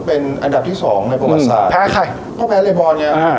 เป็นอันดับที่สองในประวัติศาสตร์แพ้ใครเพราะแพ้เรบอลไงอ่า